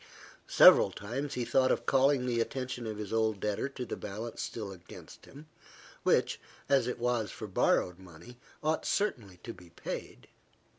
Several times he thought of calling the attention of his old debtor to the balance still against him, which, as it was for borrowed money, ought certainly to be paid.